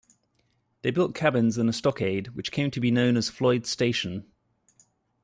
They built cabins and a stockade, which came to be known as Floyd's Station.